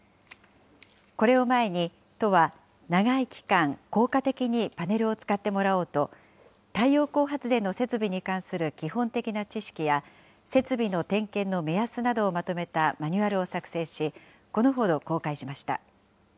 これを前に都は長い期間、効果的にパネルを使ってもらおうと、太陽光発電の設備に関する基本的な知識や、設備の点検の目安などをまとめたマニュアルを作成し、このほど公開しました。